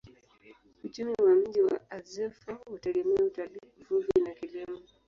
Uchumi wa mji wa Azeffou hutegemea utalii, uvuvi na kilimo.